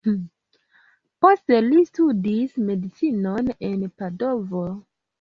Poste li studis medicinon en Padovo.